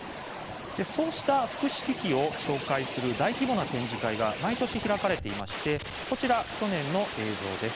そうした福祉機器を紹介する大規模な展示会が毎年、開かれていましてこちら、去年の映像です。